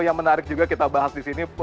yang menarik juga kita bahas di sini